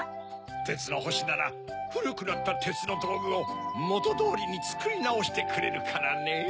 てつのほしならふるくなったてつのどうぐをもとどおりにつくりなおしてくれるからねぇ。